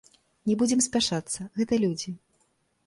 Не будзем спяшацца, гэта людзі.